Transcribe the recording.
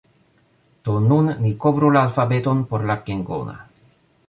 Do, nun ni kovru la alfabeton por la klingona